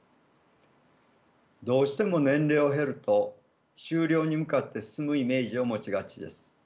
どうしても年齢を経ると終了に向かって進むイメージを持ちがちです。